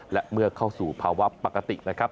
และเมื่อเข้าสู่ภาวะปกตินะครับ